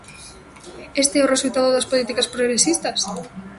¿Este é o resultado das políticas progresistas?